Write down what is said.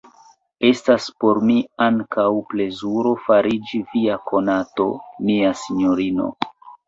Estas por mi ankaŭ plezuro fariĝi via konato, mia sinjorino!